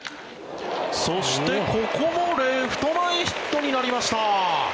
そして、ここもレフト前ヒットになりました。